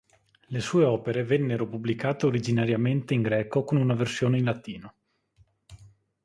Le sue opere vennero pubblicate originariamente in greco con una versione in latino.